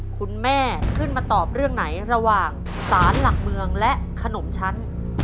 คุณแม่ขึ้นมาตอบเรื่องไหนระหว่างสารหลักเมืองและขนมชั้น